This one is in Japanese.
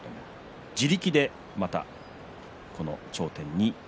自力で、またこの頂点に。